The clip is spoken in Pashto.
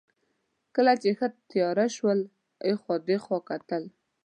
کله چې ښه تېاره شول، اخوا دېخوا کتل.